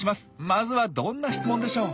まずはどんな質問でしょう？